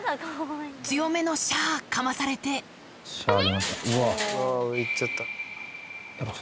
強めの「シャ」かまされて「シャ」出ました。